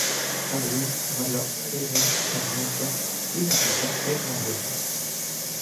Adrienne Maloof es de ascendencia libanesa e irlandesa.